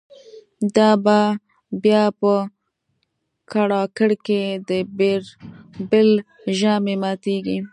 دا به بیا په کړاکړ کی د« بیربل» ژامی ماتیږی